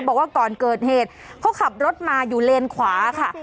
บอกว่าก่อนเกิดเหตุเขาขับรถมาอยู่เลนขวาค่ะ